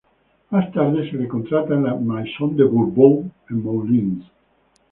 Más tarde se le contrata en la "maison de Bourbon", en Moulins.